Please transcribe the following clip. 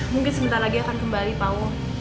mungkin sebentar lagi akan kembali pawang